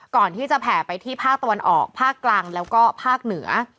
ก่อนที่จะแผ่ไปที่ภาคตะวันออกภาคกลางแล้วก็ภาคเหนือ